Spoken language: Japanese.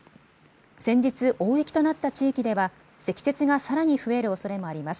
先日、大雪となった地域では積雪がさらに増えるおそれもあります。